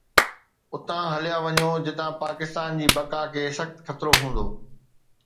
اتان هليا وڃو جتان پاڪستان جي بقا کي سخت خطرو هوندو